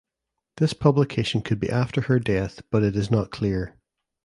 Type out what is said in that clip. This publication could be after her death but it is not clear.